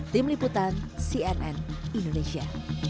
tim liputan cnn indonesia